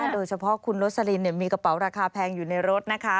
โดยเฉพาะคุณโรสลินมีกระเป๋าราคาแพงอยู่ในรถนะคะ